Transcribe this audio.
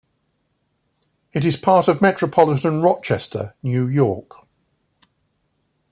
It is part of metropolitan Rochester, New York.